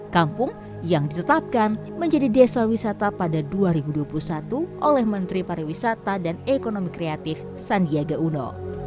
kampung yang ditetapkan menjadi desa wisata pada dua ribu dua puluh satu oleh menteri pariwisata dan ekonomi kreatif sandiaga uno